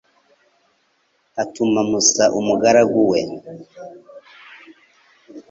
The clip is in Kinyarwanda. Atuma Musa umugaragu we